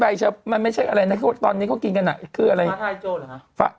อะไรนะตอนนี้เขากินกันนะ